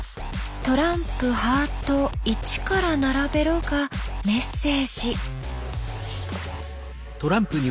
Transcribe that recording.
「トランプハート１から並べろ」がメッセージ。